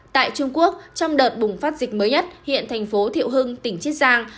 tại trung quốc trong đợt bùng phát dịch mới nhất hiện thành phố thiệu hưng tỉnh chiết giang